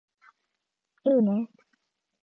いいね